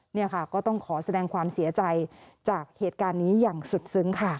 นี่ค่ะก็ต้องขอแสดงความเสียใจจากเหตุการณ์นี้อย่างสุดซึ้งค่ะ